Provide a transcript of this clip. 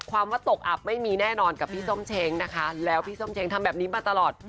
ว่าตกอับไม่มีแน่นอนกับพี่ส้มเช้งนะคะแล้วพี่ส้มเช้งทำแบบนี้มาตลอด